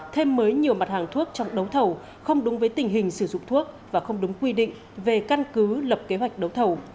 thêm mới nhiều mặt hàng thuốc trong đấu thầu không đúng với tình hình sử dụng thuốc và không đúng quy định về căn cứ lập kế hoạch đấu thầu